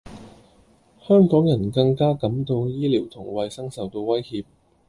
香港人更加感到醫療同衛生受到威脅